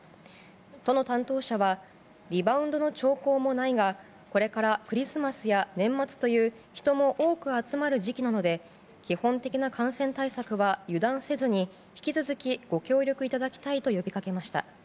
都の担当者はリバウンドの兆候もないがこれからクリスマスや年末という人も多く集まる時期なので基本的な感染対策は油断せずに引き続き、ご協力いただきたいと呼びかけました。